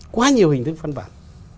quá nhiều hình thức văn bản